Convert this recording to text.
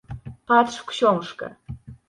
Patrz w książkę.